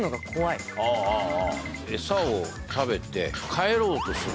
エサを食べて帰ろうとする。